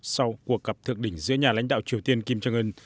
sau cuộc gặp thượng đỉnh giữa nhà lãnh đạo triều tiên kim chung in